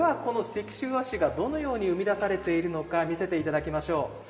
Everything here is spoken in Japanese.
この石州和紙がどのように生み出されているのか見せていただきましょう。